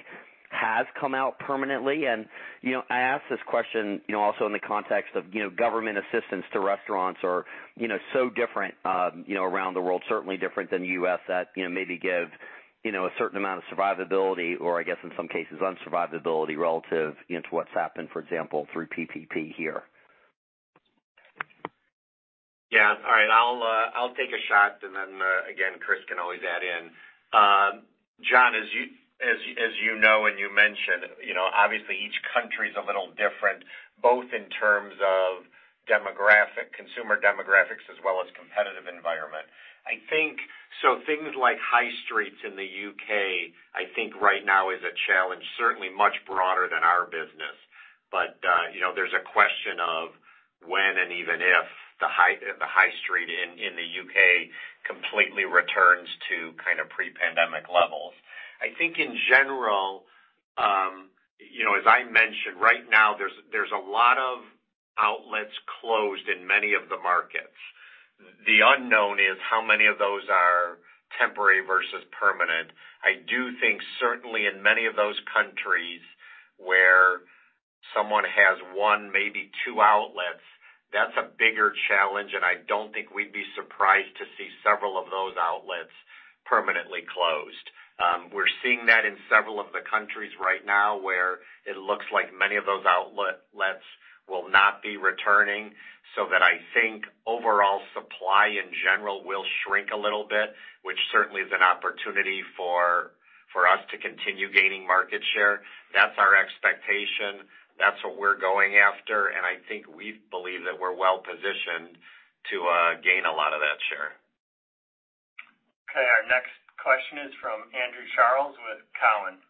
has come out permanently? I ask this question also in the context of government assistance to restaurants are so different around the world. Certainly different than the U.S. that maybe give a certain amount of survivability or, I guess, in some cases, unsurvivability relative to what's happened, for example, through PPP here. All right. I'll take a shot, and then, again, Chris can always add in. John, as you know and you mentioned, obviously each country's a little different, both in terms of consumer demographics and competitive environment. Things like high streets in the U.K., I think right now is a challenge, certainly much broader than our business. There's a question of when and even if the high street in the U.K. completely returns to pre-pandemic levels. I think in general, as I mentioned, right now, there's a lot of outlets closed in many of the markets. The unknown is how many of those are temporary versus permanent. I do think certainly in many of those countries where someone has one, maybe two outlets, that's a bigger challenge, and I don't think we'd be surprised to see several of those outlets permanently closed. We're seeing that in several of the countries right now where it looks like many of those outlets will not be returning, so I think overall supply in general will shrink a little bit, which certainly is an opportunity for us to continue gaining market share. That's our expectation. That's what we're going after, and I think we believe that we're well positioned to gain a lot of that share. Okay. Our next question is from Andrew Charles with Cowen.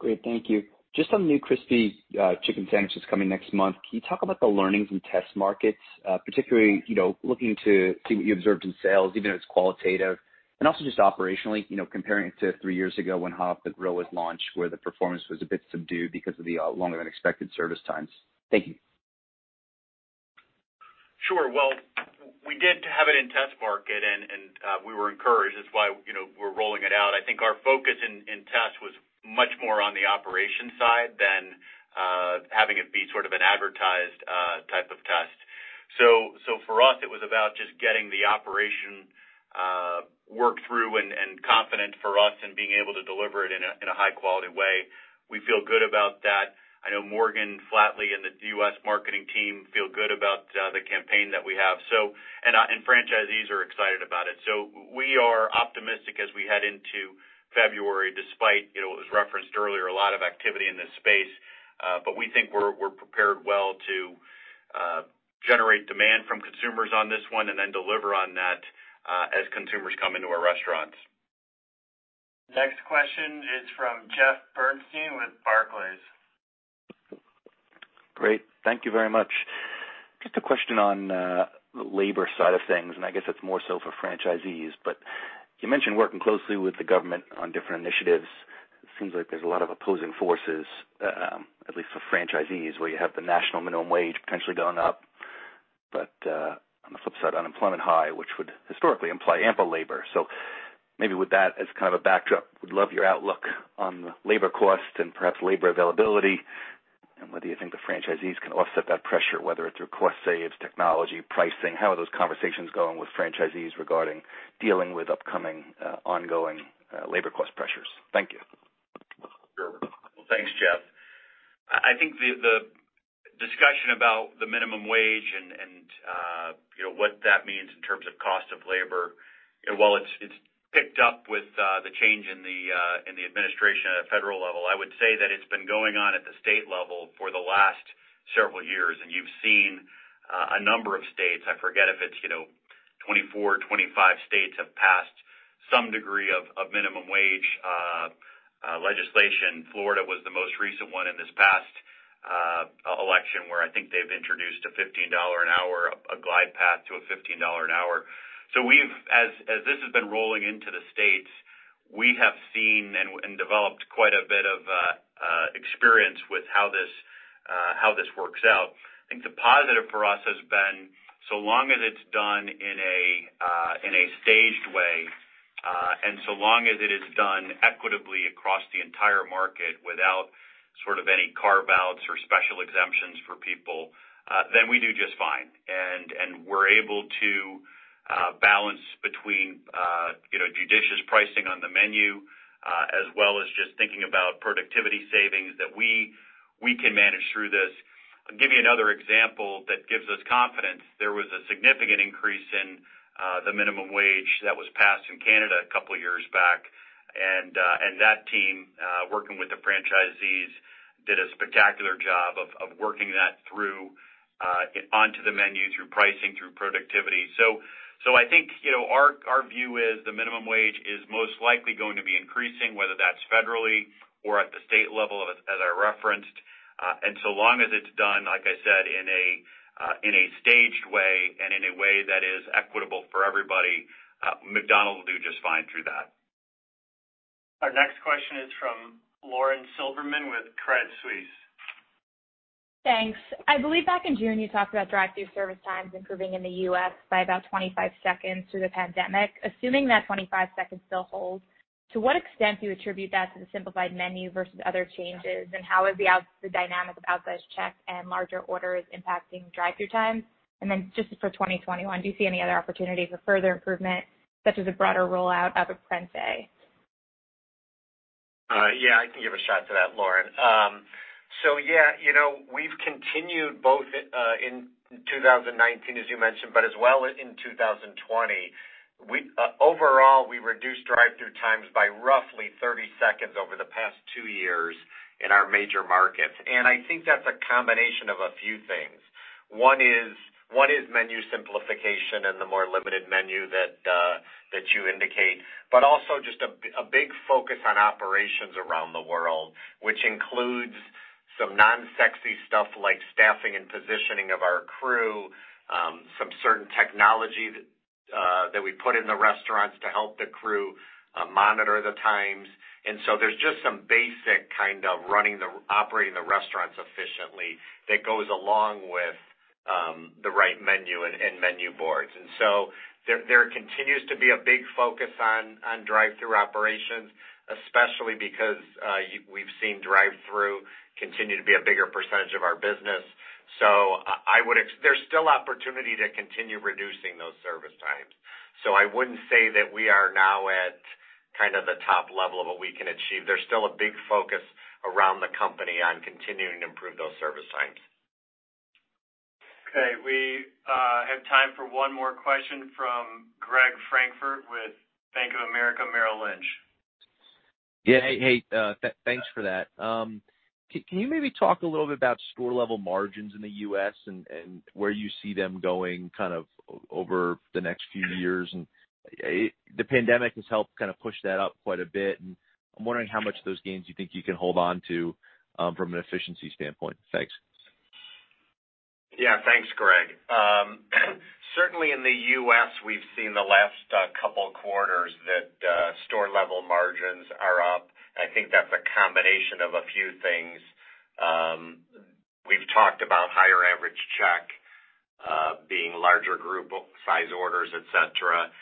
Great. Thank you. Just on the new Crispy Chicken Sandwich that's coming next month, can you talk about the learnings and test markets, particularly looking to see what you observed in sales, even if it's qualitative? Also, just operationally, comparing it to three years ago when Hot Off the Grill was launched, where the performance was a bit subdued because of the longer-than-expected service times. Thank you. Sure. Well, we did have it in test market, and we were encouraged. That's why we're rolling it out. I think our focus in test was much more on the operation side than having it be sort of an advertised type of test. For us, it was about just getting the operation worked through and confident for us in being able to deliver it in a high-quality way. We feel good about that. I know Morgan Flatley and the U.S. marketing team feel good about the campaign that we have. Franchisees are excited about it. We are optimistic as we head into February, despite what was referenced earlier, a lot of activity in this space. We think we're prepared well to generate demand from consumers on this one and then deliver on that as consumers come into our restaurants. Next question is from Jeff Bernstein with Barclays. Great. Thank you very much. Just a question on the labor side of things, and I guess it's more so for franchisees. You mentioned working closely with the government on different initiatives. It seems like there's a lot of opposing forces, at least for franchisees, where you have the national minimum wage potentially going up. On the flip side, unemployment is high, which would historically imply ample labor. Maybe with that as a backdrop, I would love your outlook on labor cost and perhaps labor availability and whether you think the franchisees can offset that pressure, whether it's through cost savings, technology, or pricing. How are those conversations going with franchisees regarding dealing with upcoming, ongoing labor cost pressures? Thank you. Sure. Well, thanks, Jeff. I think the discussion about the minimum wage and what that means in terms of cost of labor, while it's picked up with the change in the administration at a federal level, has been going on at the state level for the last several years. You've seen a number of states; I forget if it's 24 or 25 states that have passed. Some degree of minimum wage legislation. Florida was the most recent one in this past election, where I think they've introduced a glide path to $15 an hour. As this has been rolling into the states, we have seen and developed quite a bit of experience with how this works out. I think the positive for us has been, so long as it's done in a staged way and so long as it is done equitably across the entire market without any carve-outs or special exemptions for people, then we do just fine. We're able to balance between judicious pricing on the menu, as well as just thinking about productivity savings that we can manage through this. I'll give you another example that gives us confidence. There was a significant increase in the minimum wage that was passed in Canada a couple of years back, and that team, working with the franchisees, did a spectacular job of working that through onto the menu, through pricing, through productivity. I think our view is the minimum wage is most likely going to be increasing, whether that's federally or at the state level, as I referenced. So long as it's done, like I said, in a staged way and in a way that is equitable for everybody, McDonald's will do just fine through that. Our next question is from Lauren Silberman with Credit Suisse. Thanks. I believe back in June, you talked about drive-thru service times improving in the U.S. by about 25 seconds through the pandemic. Assuming that 25 seconds still holds, to what extent do you attribute that to the simplified menu versus other changes? How is the dynamic of average check and larger orders impacting drive-thru times? Just for 2021, do you see any other opportunities for further improvement, such as a broader rollout of Apprente? I can give a shot to that, Lauren. We've continued both in 2019, as you mentioned, but as well in 2020. Overall, we reduced drive-thru times by roughly 30 seconds over the past two years in our major markets. I think that's a combination of a few things. One is menu simplification and the more limited menu that you indicate. Also, just a big focus on operations around the world, which includes some non-sexy stuff like staffing and positioning of our crew, some certain technology that we put in the restaurants to help the crew monitor the times. There's just some basic operating the restaurants efficiently that goes along with the right menu and menu boards. There continues to be a big focus on drive-thru operations, especially because we've seen drive-thru continue to be a bigger percentage of our business. There's still opportunity to continue reducing those service times. I wouldn't say that we are now at the top level of what we can achieve. There's still a big focus around the company on continuing to improve those service times. Okay. We have time for one more question from Greg Francfort with Bank of America Merrill Lynch. Yeah, hey. Thanks for that. Can you maybe talk a little bit about store-level margins in the U.S. and where you see them going over the next few years? The pandemic has helped push that up quite a bit, and I'm wondering how much of those gains you think you can hold on to from an efficiency standpoint. Thanks. Thanks, Greg. Certainly in the U.S., we've seen the last couple of quarters that store-level margins are up. I think that's a combination of a few things. We've talked about higher average check being larger group size orders, et cetera.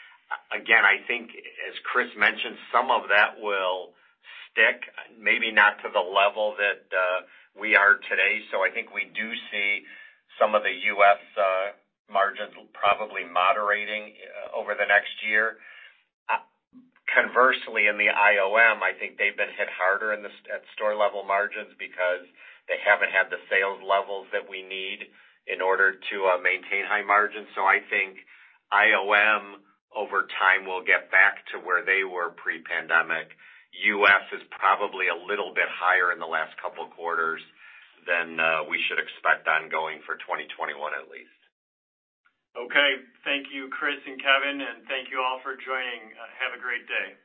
Again, I think as Chris mentioned, some of that will stick, maybe not to the level that we are today. I think we do see some of the U.S. margins probably moderating over the next year. Conversely, in the IOM, I think they've been hit harder at store-level margins because they haven't had the sales levels that we need in order to maintain high margins. I think IOM, over time, will get back to where they were pre-pandemic. U.S. is probably a little bit higher in the last couple of quarters than we should expect ongoing for 2021 at least. Okay. Thank you, Chris and Kevin, and thank you all for joining. Have a great day.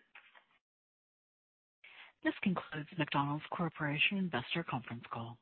This concludes McDonald's Corporation investor conference call.